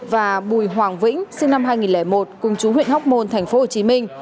và bùi hoàng vĩnh sinh năm hai nghìn một cùng chú huyện hóc môn tp hcm